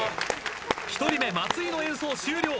１人目松井の演奏終了。